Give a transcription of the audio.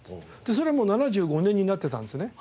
それはもう７５年になってたんですね